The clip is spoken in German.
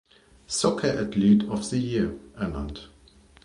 Soccer Athlete of the Year ernannt.